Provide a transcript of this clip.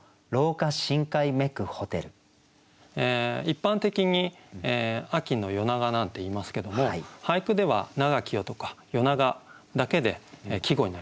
一般的に「秋の夜長」なんていいますけども俳句では「長き夜」とか「夜長」だけで季語になります。